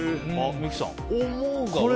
三木さん、思うが多い。